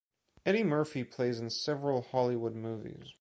Eddy Murphy plays in several Hollywood movies.